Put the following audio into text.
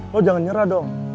lo jangan nyerah dong